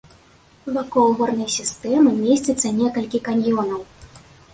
Вакол горнай сістэмы месціцца некалькі каньёнаў.